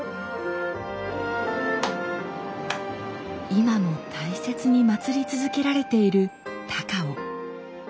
今も大切に祀り続けられている高尾。